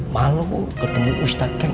malu ketemu ustadz kang